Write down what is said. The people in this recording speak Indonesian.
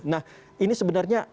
nah ini sebenarnya